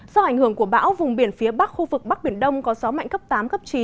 do ảnh hưởng của bão vùng biển phía bắc khu vực bắc biển đông có gió mạnh cấp tám cấp chín